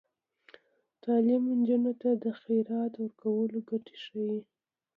تعلیم نجونو ته د خیرات ورکولو ګټې ښيي.